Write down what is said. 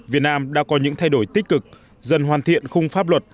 việt nam đã có những thay đổi tích cực dần hoàn thiện khung pháp luật